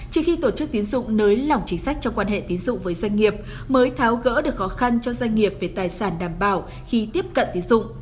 chỉ khi tổ chức tín dụng nới lỏng chính sách trong quan hệ tín dụng với doanh nghiệp mới tháo gỡ được khó khăn cho doanh nghiệp về tài sản đảm bảo khi tiếp cận tín dụng